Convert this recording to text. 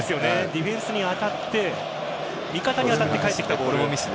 ディフェンスに当たって味方に当たって返ってきたボール。